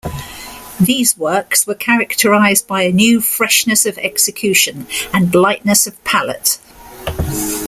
These works were characterized by a new freshness of execution and lightness of palette.